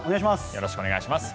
よろしくお願いします。